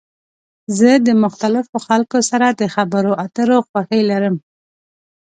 زه د مختلفو خلکو سره د خبرو اترو خوښی لرم.